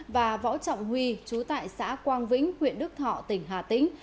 và võ trọng huy chú tại xã quang vĩnh huyện đức thọ tỉnh hà tĩnh